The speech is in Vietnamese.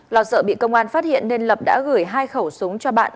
lo sợ bị công an phát hiện nên lập đã gửi hai khẩu súng cho bạn